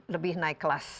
lebih naik kelas